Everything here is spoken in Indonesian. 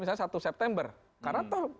misalnya satu september karena tol